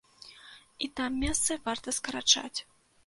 І там месцы варта скарачаць.